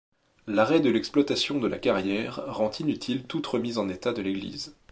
L’arrêt de l’exploitation de la carrière rend inutile toute remise en état de l’église.